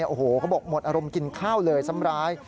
โอ้โหเขาบอกหมดอารมณ์กินข้าวเลยซ้ำร้าย